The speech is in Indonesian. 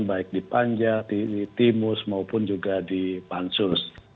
baik di panja di timus maupun juga di pansus